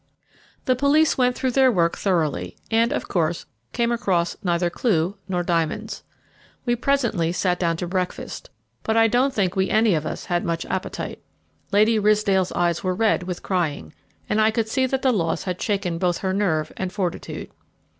The police went through their work thoroughly, and, of course, came across neither clue nor diamonds. We presently sat down to breakfast, but I don't think we any of us had much appetite. Lady Ridsdale's eyes were red with crying, and I could see that the loss had shaken both her nerve and fortitude.